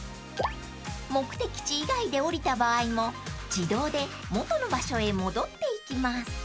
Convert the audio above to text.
［目的地以外で降りた場合も自動で元の場所へ戻っていきます］